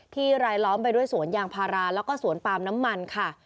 รายล้อมไปด้วยสวนยางพาราแล้วก็สวนปาล์มน้ำมันค่ะ